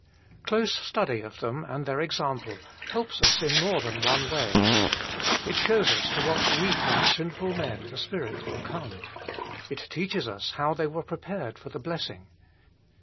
Close study of them and their example helps us in more than one way. It shows us to what weak and sinful men the Spirit will come. It teaches us how they were prepared for the blessing.